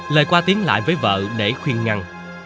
lời qua tiếng lại với vợ để khuyên ngăn